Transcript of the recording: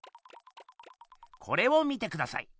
これを見てください。